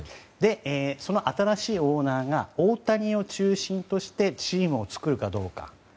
その新しいオーナーが大谷を中心にチームを作るかどうか。